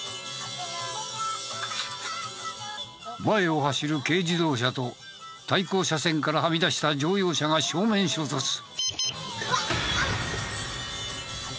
前を走る軽自動車と対向車線からはみ出した乗用車が正面衝突！